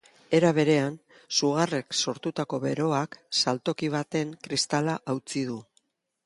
Era berean, sugarrek sortutako beroak saltoki baten kristala hautsi du.